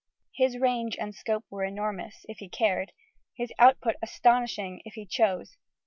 His range and scope were enormous, if he cared: his output astonishing, if he chose....